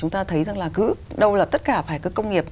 thì có thể